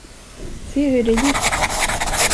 Se hur det gick!